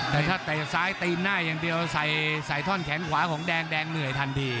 แต่ถ้าเตะซ้ายตีนหน้าอย่างเดียวใส่ท่อนแขนขวาของแดงแดงเหนื่อยทันที